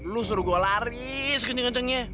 lu suruh gua lari sekenceng kencengnya